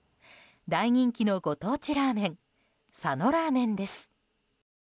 大人気のご当地ラーメン佐野ラーメンです。